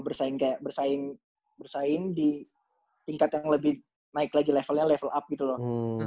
bersaing kayak bersaing di tingkat yang lebih naik lagi levelnya level up gitu loh